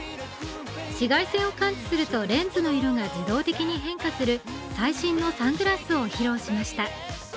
紫外線を感知するとレンズの色が自動的に変化する最新のサングラスを披露しました。